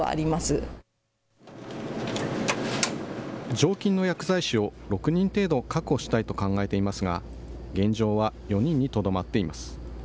常勤の薬剤師を６人程度確保したいと考えていますが、現状は４人にとどまっています。